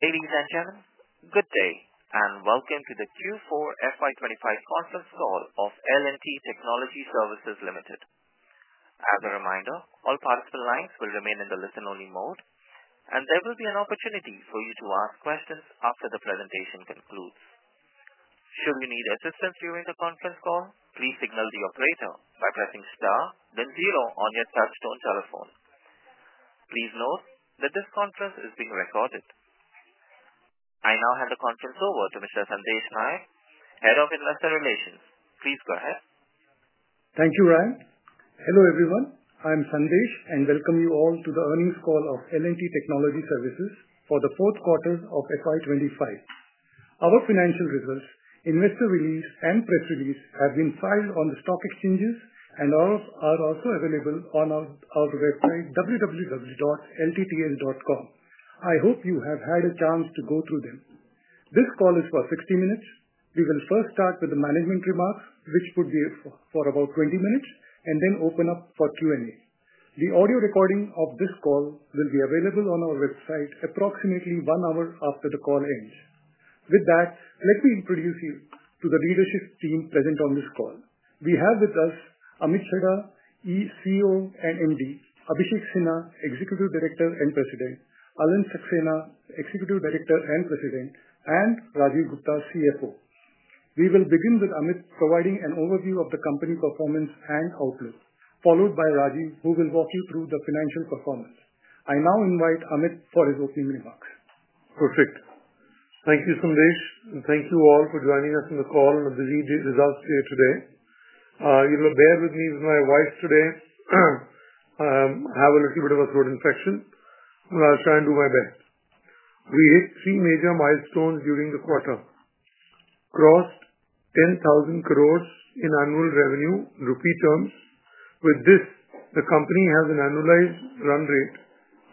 Ladies and gentlemen, good day and welcome to the Q4 FY 2025 conference call of L&T Technology Services Limited. As a reminder, all participant lines will remain in the listen-only mode, and there will be an opportunity for you to ask questions after the presentation concludes. Should you need assistance during the conference call, please signal the operator by pressing star, then zero on your touch-tone telephone. Please note that this conference is being recorded. I now hand the conference over to Mr. Sandesh Naik, Head of Investor Relations. Please go ahead. Thank you, Ryan. Hello everyone. I'm Sandesh, and welcome you all to the earnings call of L&T Technology Services for the fourth quarter of FY 2025. Our financial results, investor release, and press release have been filed on the stock exchanges and are also available on our website, www.ltts.com. I hope you have had a chance to go through them. This call is for 60 minutes. We will first start with the management remarks, which would be for about 20 minutes, and then open up for Q&A. The audio recording of this call will be available on our website approximately one hour after the call ends. With that, let me introduce you to the leadership team present on this call. We have with us Amit Chadha, CEO and MD; Abhishek Sinha, Executive Director and President; Alind Saxena, Executive Director and President; and Rajeev Gupta, CFO. We will begin with Amit providing an overview of the company performance and outlook, followed by Rajeev, who will walk you through the financial performance. I now invite Amit for his opening remarks. Perfect. Thank you, Sandesh. Thank you all for joining us in the call and the results here today. You will bear with me with my voice today. I have a little bit of a throat infection, but I'll try and do my best. We hit three major milestones during the quarter: crossed 10,000 crore in annual revenue in Rupee terms. With this, the company has an annualized run rate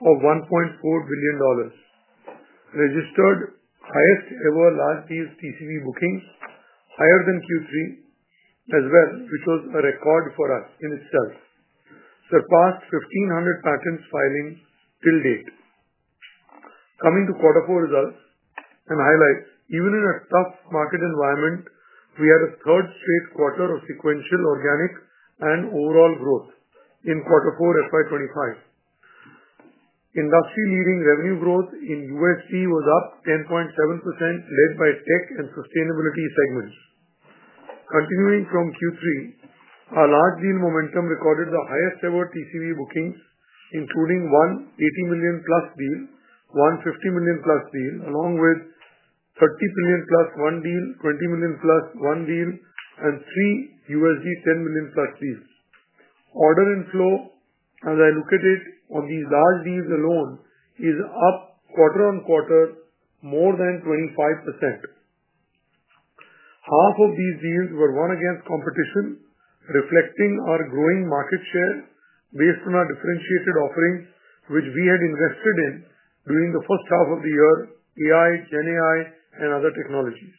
of $1.4 billion. Registered highest-ever large-tier TCV bookings, higher than Q3 as well, which was a record for us in itself. Surpassed 1,500 patents filing till date. Coming to quarter four results and highlights, even in a tough market environment, we had a third straight quarter of sequential organic and overall growth in quarter four FY 2025. Industry-leading revenue growth in U.S. was up 10.7%, led by Tech and Sustainability segments. Continuing from Q3, our large deal momentum recorded the highest-ever TCV bookings, including one $80 million+ deal, one $50 million+ deal, along with one $30 million+ deal, one $20 million+ deal, and three $10 million+ deals. Order inflow, as I look at it, on these large deals alone is up quarter-on-quarter more than 25%. Half of these deals were won against competition, reflecting our growing market share based on our differentiated offerings, which we had invested in during the first half of the year: AI, GenAI, and other technologies.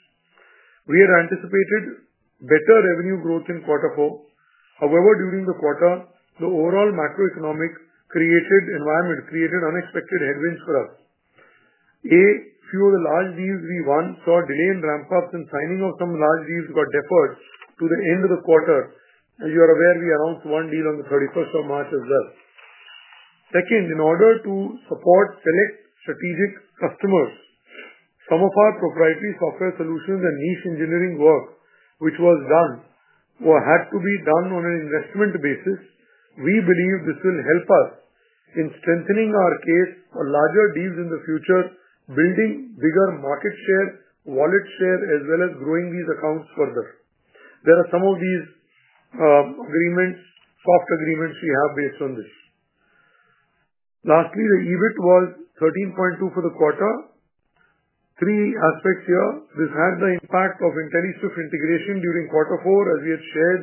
We had anticipated better revenue growth in quarter four. However, during the quarter, the overall macroeconomic environment created unexpected headwinds for us. A few of the large deals we won saw delay in ramp-ups, and signing of some large deals got deferred to the end of the quarter. As you are aware, we announced one deal on the 31st of March as well. Second, in order to support select strategic customers, some of our proprietary software solutions and niche engineering work, which was done or had to be done on an investment basis, we believe this will help us in strengthening our case for larger deals in the future, building bigger market share, wallet share, as well as growing these accounts further. There are some of these soft agreements we have based on this. Lastly, the EBIT was 13.2% for the quarter. Three aspects here. This had the impact of Intelliswift integration during quarter four, as we had shared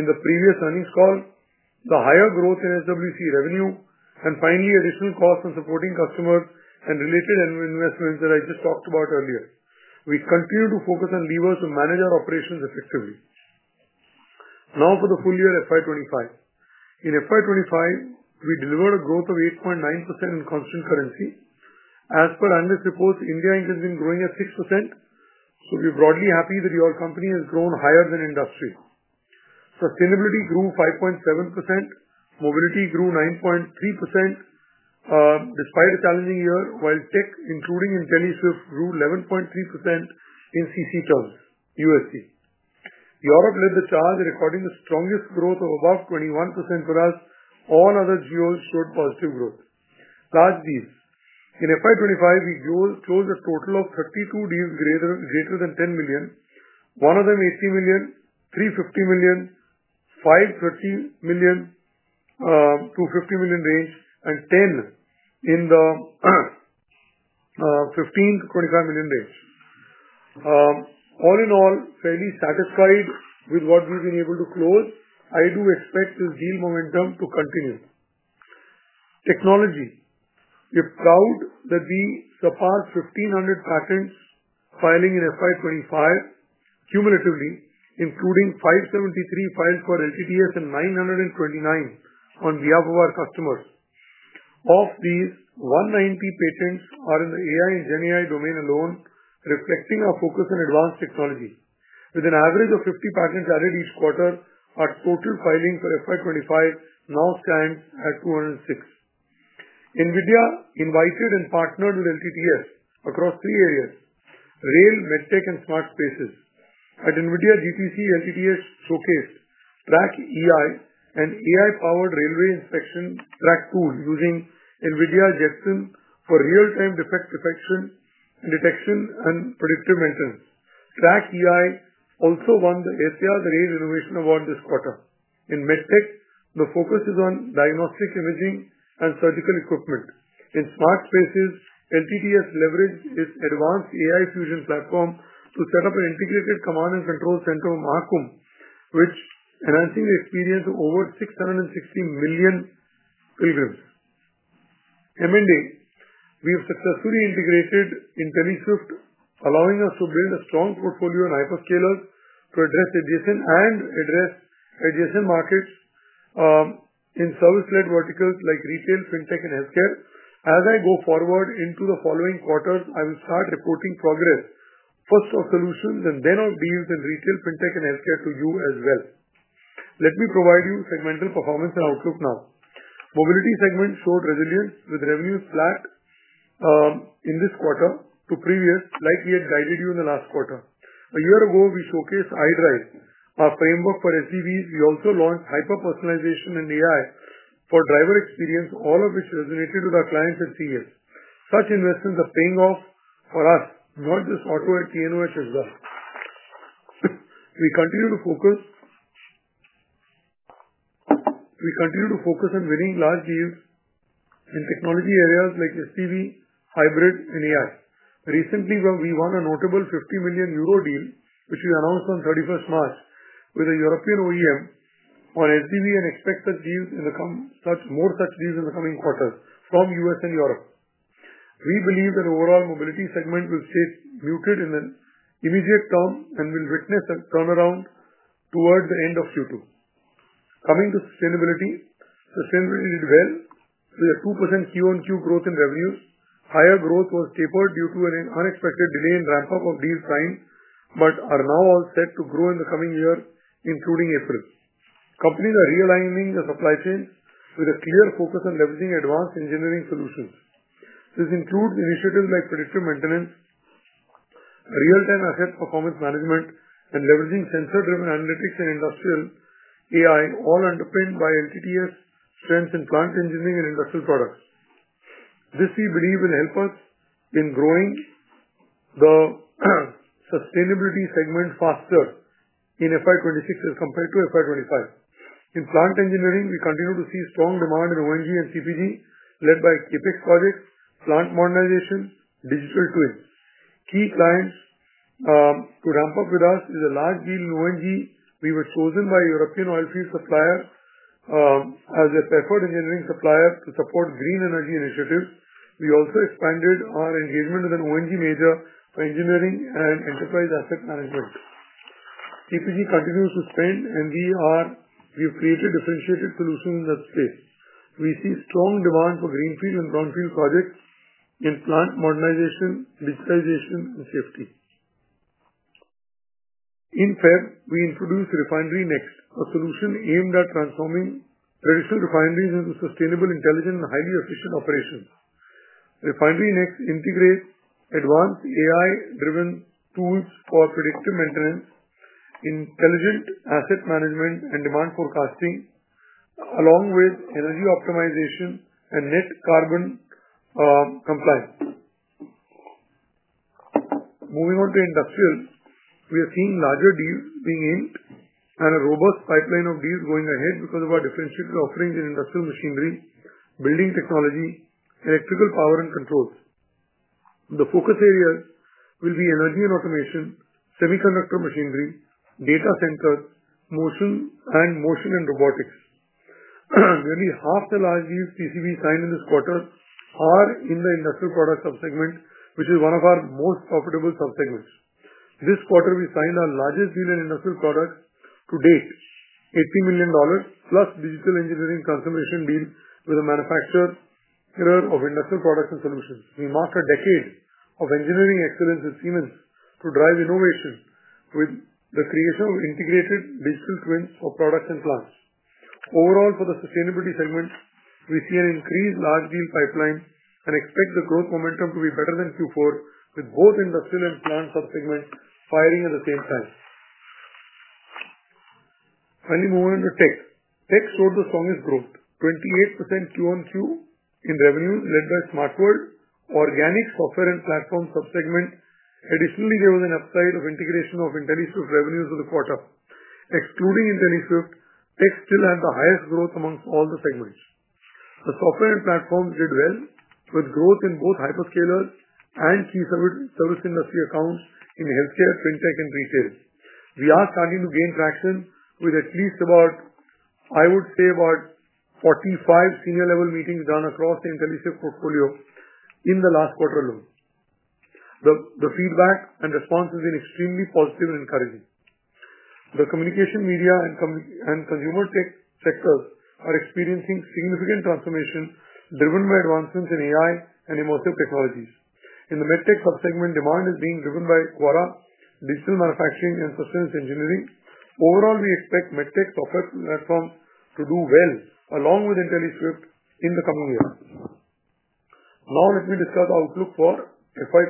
in the previous earnings call, the higher growth in SWC revenue, and finally, additional costs on supporting customers and related investments that I just talked about earlier. We continue to focus on levers to manage our operations effectively. Now for the full year FY 2025. In FY 2025, we delivered a growth of 8.9% in constant currency. As per analyst reports, India Inc has been growing at 6%, so we are broadly happy that your company has grown higher than industry. Sustainability grew 5.7%. Mobility grew 9.3% despite a challenging year, while tech, including Intelliswift, grew 11.3% in CC terms USD. Europe led the charge, recording the strongest growth of above 21% for us. All other Geos showed positive growth. Large deals. In FY 2025, we closed a total of 32 deals greater than $10 million. One of them $80 million, three $50 million, five $30 million, two $50 million range, and 10 in the $15 million-$25 million range. All in all, fairly satisfied with what we've been able to close. I do expect this deal momentum to continue. Technology. We are proud that we surpassed 1,500 patents filing in FY 2025 cumulatively, including 573 filed for LTTS and 929 on behalf of our customers. Of these, 190 patents are in the AI and GenAI domain alone, reflecting our focus on advanced technology. With an average of 50 patents added each quarter, our total filing for FY 2025 now stands at 206. NVIDIA invited and partnered with LTTS across three areas: Rail, MedTech, and Smart Spaces. At NVIDIA GTC, LTTS showcased TrackEi, an AI-powered railway inspection track tool using NVIDIA Jetson for real-time defect detection and predictive maintenance. TrackEi also won the ACR the Rail Innovation Award this quarter. In MedTech, the focus is on diagnostic imaging and surgical equipment. In smart spaces, LTTS leveraged its advanced AI fusion platform to set up an integrated command and control center on Maha Kumbh, which enhances the experience of over 660 million pilgrims. M&A. We have successfully integrated Intelliswift, allowing us to build a strong portfolio on hyperscalers to address adjacent and address adjacent markets in service-led verticals like Retail, FinTech, and Healthcare. As I go forward into the following quarters, I will start reporting progress, first of solutions and then of deals in Retail, FinTech, and Healthcare to you as well. Let me provide you segmental performance and outlook now. Mobility segment showed resilience with revenues flat in this quarter to previous, like we had guided you in the last quarter. A year ago, we showcased iDrive, our framework for SUVs. We also launched hyper-personalization and AI for driver experience, all of which resonated with our clients and seniors. Such investments are paying off for us, not just auto and T&OH as well. We continue to focus on winning large deals in technology areas like SDV, hybrid in AI. Recently, we won a notable 50 million euro deal, which we announced on 31st March with a European OEM on SDV and expect more such deals in the coming quarters from U.S. and Europe. We believe that overall Mobility segment will stay muted in the immediate term and will witness a turnaround toward the end of Q2. Coming to Sustainability, Sustainability did well. We had 2% quarter-on-quarter growth in revenues. Higher growth was tapered due to an unexpected delay in ramp-up of deals signed, but are now all set to grow in the coming year, including April. Companies are realigning the supply chain with a clear focus on leveraging advanced engineering solutions. This includes initiatives like predictive maintenance, real-time asset performance management, and leveraging sensor-driven analytics and industrial AI, all underpinned by LTTS strengths in plant engineering and industrial products. This we believe will help us in growing the Sustainability segment faster in FY 2026 as compared to FY 2025. In plant engineering, we continue to see strong demand in O&G and CPG, led by CapEx projects, plant modernization, digital twins. Key clients to ramp up with us is a large deal in O&G. We were chosen by a European oil field supplier as a preferred engineering supplier to support green energy initiatives. We also expanded our engagement with an O&G major for engineering and enterprise asset management. CPG continues to spend, and we have created differentiated solutions in that space. We see strong demand for greenfield and brownfield projects in plant modernization, digitization, and safety. In February, we introduced RefineryNext, a solution aimed at transforming traditional refineries into sustainable, intelligent, and highly efficient operations. RefineryNext integrates advanced AI-driven tools for predictive maintenance, intelligent asset management, and demand forecasting, along with energy optimization and net carbon compliance. Moving on to industrial, we are seeing larger deals being inked and a robust pipeline of deals going ahead because of our differentiated offerings in industrial machinery, building technology, electrical power, and controls. The focus areas will be energy and automation, semiconductor machinery, data centers, and motion and robotics. Nearly half the large deals TCV signed in this quarter are in the industrial product subsegment, which is one of our most profitable subsegments. This quarter, we signed our largest deal in industrial products to date, $80 million+ digital engineering transformation deal with a manufacturer of industrial products and solutions. We marked a decade of engineering excellence with Siemens to drive innovation with the creation of integrated digital twins for products and plants. Overall, for the Sustainability segment, we see an increased large deal pipeline and expect the growth momentum to be better than Q4, with both industrial and plant subsegment firing at the same time. Finally, moving on to Tech. Tech showed the strongest growth, 28% quarter-on-quarter in revenues, led by Smart World, organic software and platform subsegment. Additionally, there was an upside of integration of Intelliswift revenues in the quarter. Excluding Intelliswift, Tech still had the highest growth amongst all the segments. The software and platforms did well, with growth in both hyperscalers and key service industry accounts in Healthcare, FinTech, and Retail. We are starting to gain traction with at least about, I would say, about 45 senior-level meetings done across the Intelliswift portfolio in the last quarter alone. The feedback and response has been extremely positive and encouraging. The communication media and consumer tech sectors are experiencing significant transformation driven by advancements in AI and emotive technologies. In the MedTech subsegment, demand is being driven by QARA, digital manufacturing, and Sustainability engineering. Overall, we expect MedTech software platforms to do well along with Intelliswift in the coming years. Now, let me discuss outlook for FY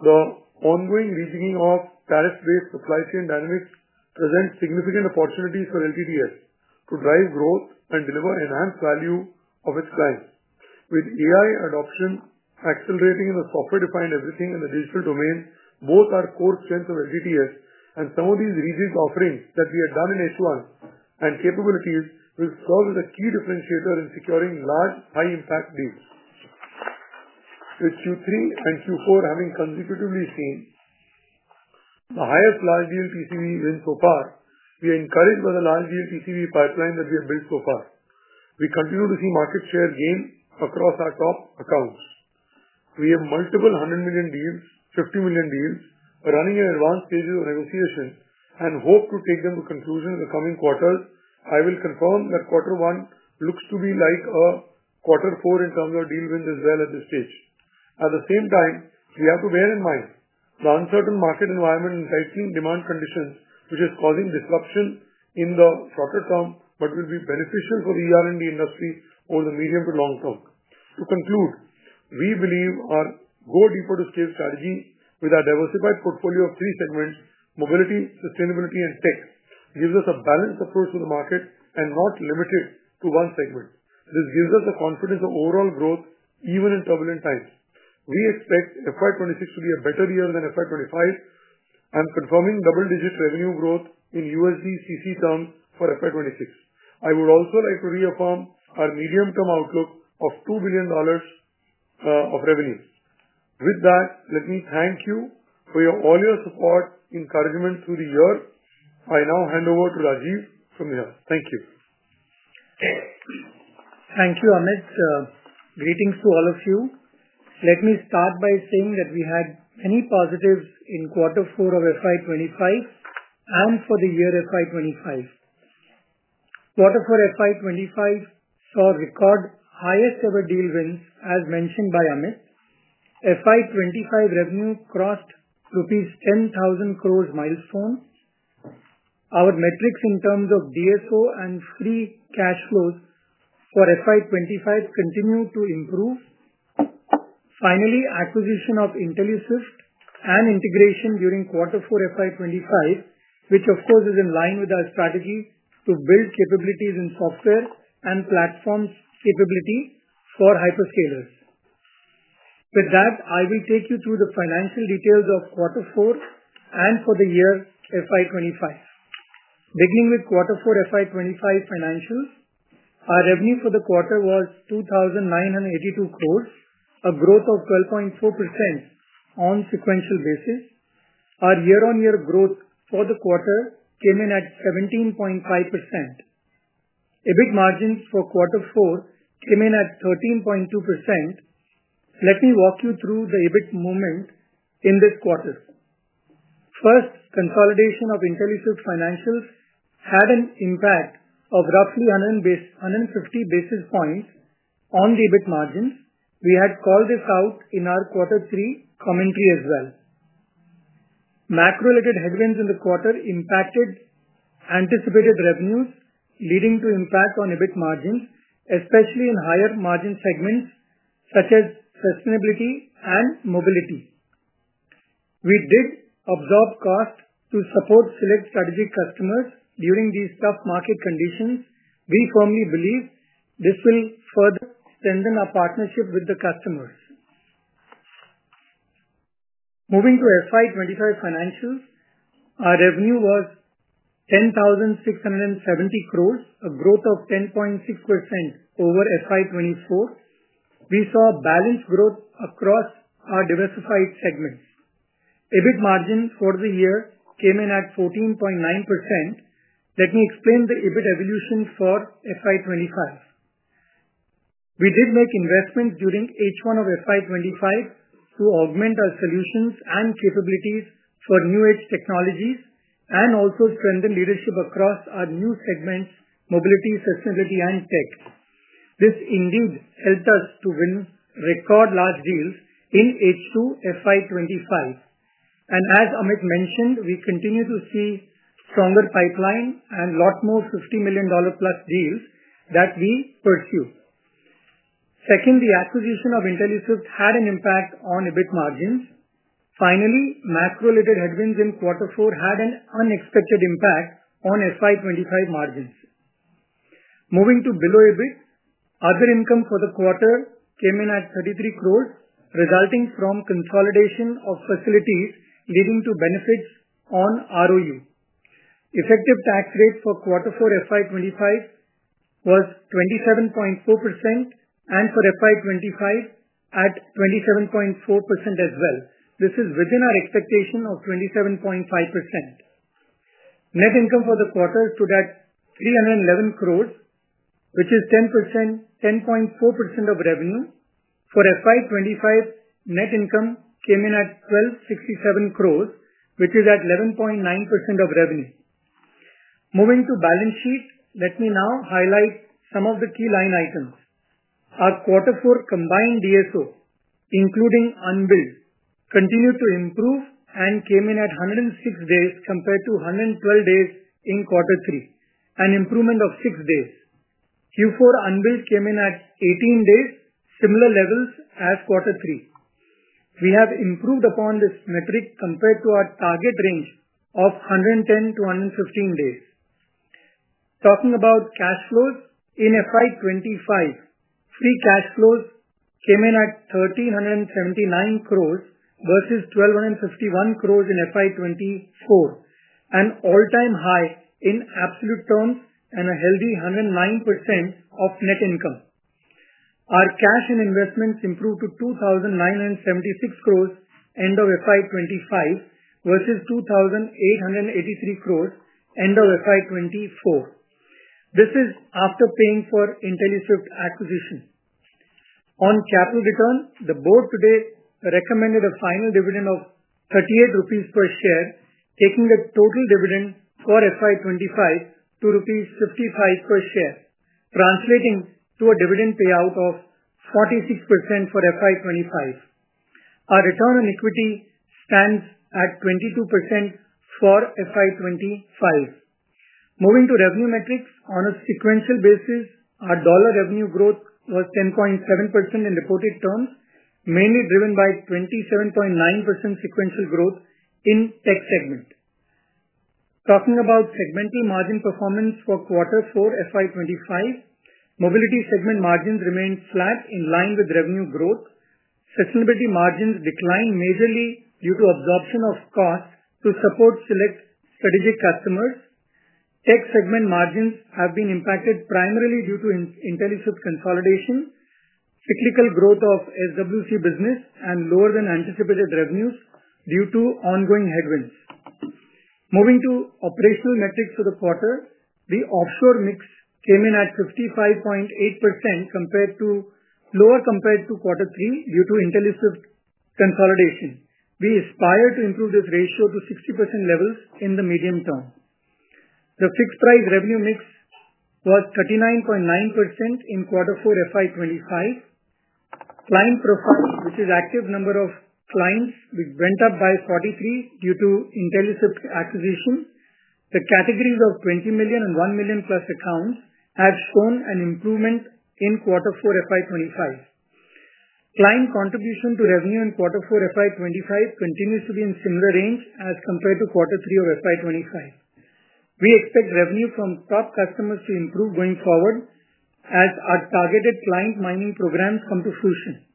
2026. The ongoing reasoning of tariff-based supply chain dynamics presents significant opportunities for LTTS to drive growth and deliver enhanced value of its clients. With AI adoption accelerating in the software-defined everything and the digital domain, both our core strengths of LTTS and some of these regional offerings that we had done in H1 and capabilities will serve as a key differentiator in securing large, high-impact deals. With Q3 and Q4 having consecutively seen the highest large deal TCV win so far, we are encouraged by the large deal TCV pipeline that we have built so far. We continue to see market share gain across our top accounts. We have multiple $100 million deals, 50 million deals running in advanced stages of negotiation and hope to take them to conclusion in the coming quarters. I will confirm that quarter one looks to be like a quarter four in terms of deal wins as well at this stage. At the same time, we have to bear in mind the uncertain market environment and tightening demand conditions, which is causing disruption in the shorter term, but will be beneficial for the ER&D industry over the medium to long term. To conclude, we believe our go-deeper-to-scale strategy with our diversified portfolio of three segments: Mobility, Sustainability, and Tech gives us a balanced approach to the market and not limited to one segment. This gives us a confidence of overall growth even in turbulent times. We expect FY 2026 to be a better year than FY 2025. I'm confirming double-digit revenue growth in USD constant currency terms for FY 2026. I would also like to reaffirm our medium-term outlook of $2 billion of revenue. With that, let me thank you for all your support, encouragement through the year. I now hand over to Rajeev from the house. Thank you. Thank you, Amit. Greetings to all of you. Let me start by saying that we had many positives in quarter four of FY 2025 and for the year FY 2025. Quarter four FY 2025 saw record highest-ever deal wins, as mentioned by Amit. FY 2025 revenue crossed rupees 10,000 crore milestone. Our metrics in terms of DSO and free cash flows for FY 2025 continue to improve. Finally, acquisition of Intelliswift and integration during quarter four FY 2025, which, of course, is in line with our strategy to build capabilities in software and platforms capability for hyperscalers. With that, I will take you through the financial details of quarter four and for the year FY 2025. Beginning with quarter four FY 2025 financials, our revenue for the quarter was 2,982 crore, a growth of 12.4% on sequential basis. Our year-on-year growth for the quarter came in at 17.5%. EBIT margins for quarter four came in at 13.2%. Let me walk you through the EBIT movement in this quarter. First, consolidation of Intelliswift financials had an impact of roughly 150 basis points on the EBIT margins. We had called this out in our quarter three commentary as well. Macro-related headwinds in the quarter impacted anticipated revenues, leading to impact on EBIT margins, especially in higher margin segments such as Sustainability and Mobility. We did absorb costs to support select strategic customers during these tough market conditions. We firmly believe this will further strengthen our partnership with the customers. Moving to FY 2025 financials, our revenue was 10,670 crore, a growth of 10.6% over FY 2024. We saw balanced growth across our diversified segments. EBIT margins for the year came in at 14.9%. Let me explain the EBIT evolution for FY 2025. We did make investments during H1 of FY 2025 to augment our solutions and capabilities for new-age technologies and also strengthen leadership across our new segments: Mobility, Sustainability, and Tech. This indeed helped us to win record large deals in H2 FY 2025. As Amit mentioned, we continue to see stronger pipeline and lot more $50 million+ deals that we pursue. Second, the acquisition of Intelliswift had an impact on EBIT margins. Finally, macro-related headwinds in quarter four had an unexpected impact on FY 2025 margins. Moving to below EBIT, other income for the quarter came in at 33 crore, resulting from consolidation of facilities, leading to benefits on ROU. Effective tax rate for quarter four FY 2025 was 27.4% and for FY 2025 at 27.4% as well. This is within our expectation of 27.5%. Net income for the quarter stood at 311 crore, which is 10.4% of revenue. For FY 2025, net income came in at 1,267 crore, which is at 11.9% of revenue. Moving to balance sheet, let me now highlight some of the key line items. Our quarter four combined DSO, including unbilled, continued to improve and came in at 106 days compared to 112 days in quarter three, an improvement of six days. Q4 unbilled came in at 18 days, similar levels as quarter three. We have improved upon this metric compared to our target range of 110-115 days. Talking about cash flows, in FY 2025, free cash flows came in at 1,379 crore versus 1,251 crore in FY 2024, an all-time high in absolute terms and a healthy 109% of net income. Our cash and investments improved to 2,976 crore end of FY 2025 versus 2,883 crore end of FY 2024. This is after paying for Intelliswift acquisition. On capital return, the board today recommended a final dividend of 38 rupees per share, taking the total dividend for FY 2025 to rupees 55 per share, translating to a dividend payout of 46% for FY 2025. Our return on equity stands at 22% for FY 2025. Moving to revenue metrics, on a sequential basis, our dollar revenue growth was 10.7% in reported terms, mainly driven by 27.9% sequential growth in Tech segment. Talking about segmental margin performance for quarter four FY 2025, Mobility segment margins remained flat in line with revenue growth. Sustainability margins declined majorly due to absorption of costs to support select strategic customers. Tech segment margins have been impacted primarily due to Intelliswift consolidation, cyclical growth of SWC business, and lower than anticipated revenues due to ongoing headwinds. Moving to operational metrics for the quarter, the offshore mix came in at 55.8% compared to lower compared to quarter three due to Intelliswift consolidation. We aspire to improve this ratio to 60% levels in the medium term. The fixed price revenue mix was 39.9% in quarter four FY 2025. Client profile, which is active number of clients, went up by 43% due to Intelliswift acquisition. The categories of 20 million and 1 million+ accounts have shown an improvement in quarter four FY 2025. Client contribution to revenue in quarter four FY 2025 continues to be in similar range as compared to quarter three of FY 2025. We expect revenue from top customers to improve going forward as our targeted client mining programs come to fruition.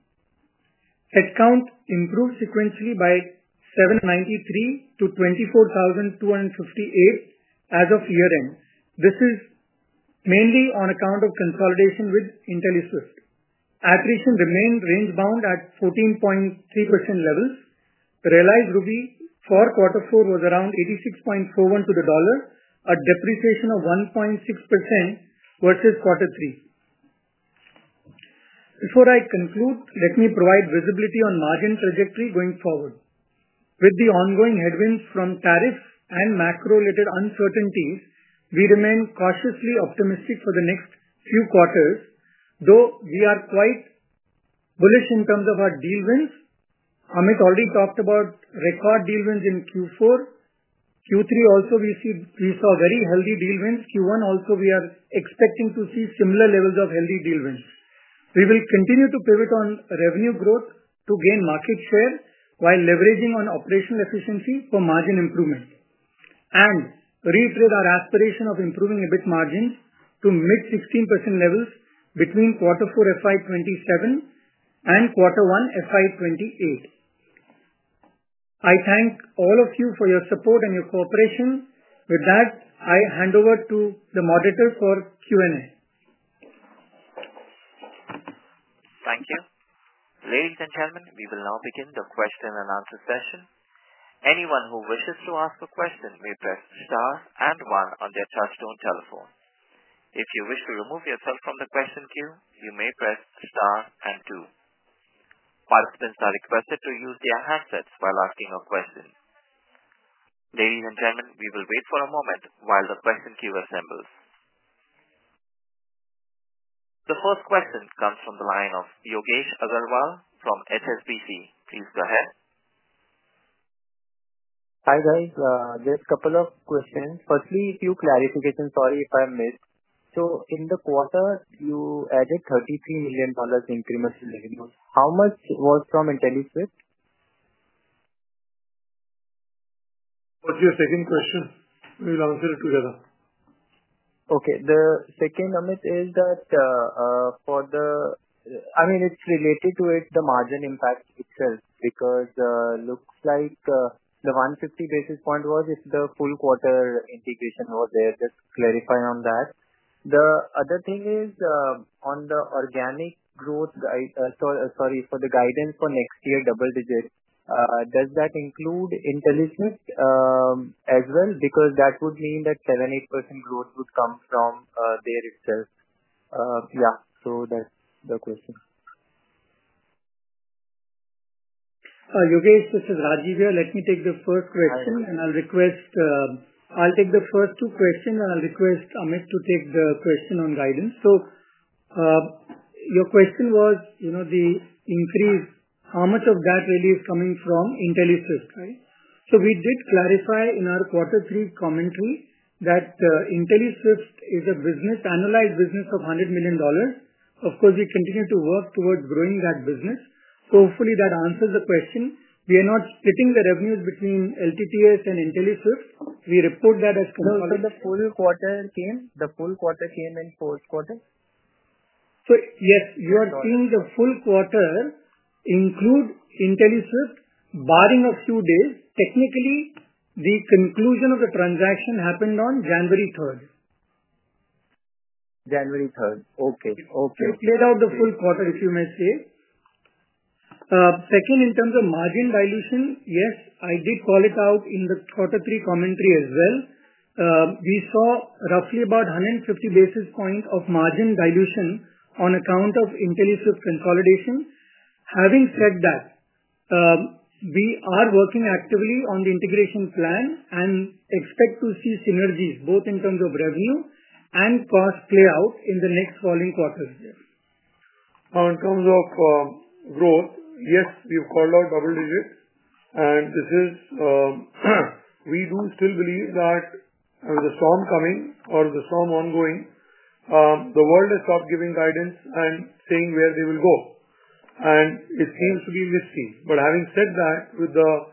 Headcount improved sequentially by 793 to 24,258 as of year-end. This is mainly on account of consolidation with Intelliswift. Attrition remained range-bound at 14.3% levels. Realized rupee for quarter four was around 86.41 to the dollar, a depreciation of 1.6% versus quarter three. Before I conclude, let me provide visibility on margin trajectory going forward. With the ongoing headwinds from tariffs and macro-related uncertainties, we remain cautiously optimistic for the next few quarters, though we are quite bullish in terms of our deal wins. Amit already talked about record deal wins in Q4. Q3 also, we saw very healthy deal wins. Q1 also, we are expecting to see similar levels of healthy deal wins. We will continue to pivot on revenue growth to gain market share while leveraging on operational efficiency for margin improvement and reiterate our aspiration of improving EBIT margins to mid 16% levels between quarter four FY 2027 and quarter one FY 2028. I thank all of you for your support and your cooperation. With that, I hand over to the moderator for Q&A. Thank you. Ladies and gentlemen, we will now begin the question and answer session. Anyone who wishes to ask a question may press star and one on their touch-tone telephone. If you wish to remove yourself from the question queue, you may press star and two. Participants are requested to use their handsets while asking a question. Ladies and gentlemen, we will wait for a moment while the question queue assembles. The first question comes from the line of Yogesh Aggarwal from HSBC. Please go ahead. Hi guys. Just a couple of questions. Firstly, a few clarifications. Sorry if I missed. In the quarter, you added $33 million incremental revenues. How much was from Intelliswift? What's your second question? We'll answer it together. Okay. The second, Amit, is that for the—I mean, it's related to it, the margin impact itself, because it looks like the 150 basis point was if the full quarter integration was there. Just clarifying on that. The other thing is on the organic growth—sorry, for the guidance for next year, double-digit. Does that include Intelliswift as well? Because that would mean that 7%-8% growth would come from there itself. Yeah. So that's the question. Yogesh, this is Rajeev here. Let me take the first question, and I'll request—I'll take the first two questions, and I'll request Amit to take the question on guidance. Your question was the increase. How much of that really is coming from Intelliswift, right? We did clarify in our quarter three commentary that Intelliswift is an annualized business of $100 million. Of course, we continue to work towards growing that business. Hopefully that answers the question. We are not splitting the revenues between LTTS and Intelliswift. We report that as consolidated. The full quarter came in fourth quarter? Yes, you are seeing the full quarter include Intelliswift barring a few days. Technically, the conclusion of the transaction happened on January 3rd. January 3rd. Okay. Okay. We played out the full quarter, if you may say. Second, in terms of margin dilution, yes, I did call it out in the quarter three commentary as well. We saw roughly about 150 basis points of margin dilution on account of Intelliswift consolidation. Having said that, we are working actively on the integration plan and expect to see synergies, both in terms of revenue and cost playout in the next following quarters. In terms of growth, yes, we've called out double-digit. We do still believe that with the storm coming or the storm ongoing, the world has stopped giving guidance and saying where they will go. It seems to be missing. Having said that, with the.